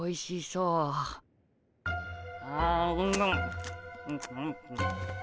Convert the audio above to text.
うん？